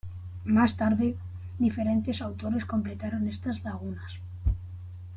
Más tarde, diferentes autores completaron estas lagunas.